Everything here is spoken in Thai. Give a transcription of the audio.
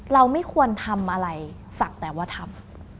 เราไม่ควรทำอะไรศักดิ์แต่ว่าทำ